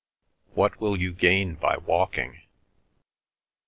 "What will you gain by walking?"